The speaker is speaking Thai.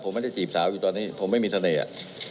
ผมไม่ได้จีบสาวอยู่ตอนนี้ผมไม่มีเสน่ห์